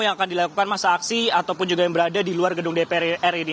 yang akan dilakukan masa aksi ataupun juga yang berada di luar gedung dpr ri ini